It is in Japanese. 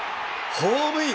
ホームイン。